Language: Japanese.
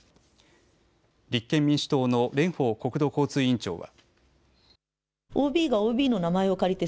立憲民主党の蓮舫国土交通委員長は。